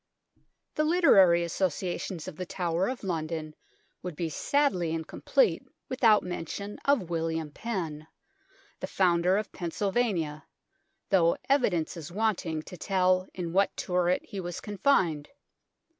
The literary associations of the Tower of London would be sadly incomplete without mention of William Penn, the founder of Pennsylvania, though evidence is wanting to tell in what turret he was confined.